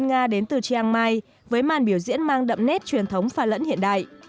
các nghệ sĩ đến từ chiang mai với màn biểu diễn mang đậm nét truyền thống pha lẫn hiện đại